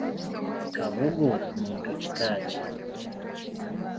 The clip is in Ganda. Kabugu muntu kika ki?